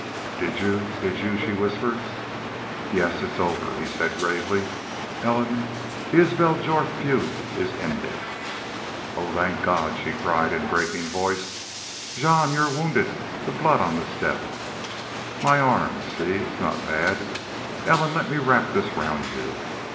"Did y'u did y'u..." she whispered. "Yes it's over," he said, gravely. "Ellen, the Isbel Jorth feud is ended." "Oh, thank God!" she cried, in breaking voice. "Jean y'u are wounded... the blood on the step!" "My arm. See. It's not bad.... Ellen, let me wrap this round you."